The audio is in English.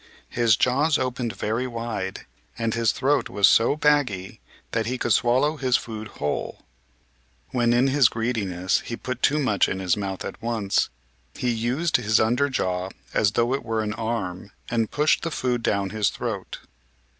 His jaws opened very wide, and his throat was so baggy that he could swallow his food whole. When, in his greediness, he put too much in his mouth at once, he used his under jaw as though it were an arm and pushed the food down his throat.